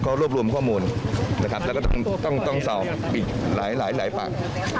เขาร่วมรวมข้อมูลและต้องสอบอีกหลายปัก